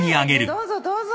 どうぞどうぞ。